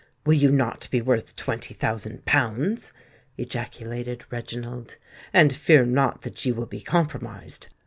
Will you not be worth twenty thousand pounds!" ejaculated Reginald. "And fear not that you will be compromised.